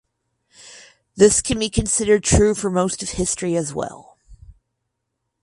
This can be considered true for most of history as well.